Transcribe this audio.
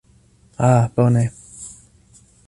Ah bone.